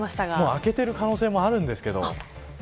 もう明けている可能性もあるんですけど。